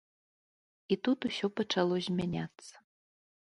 І тут усё пачало змяняцца.